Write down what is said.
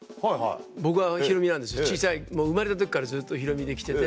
僕はひろみなんです小さい生まれた時からずっとひろみで来てて。